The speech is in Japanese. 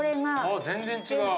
全然違う。